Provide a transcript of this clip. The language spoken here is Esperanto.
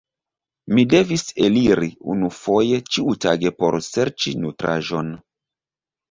Mi devis eliri unufoje ĉiutage por serĉi nutraĵon.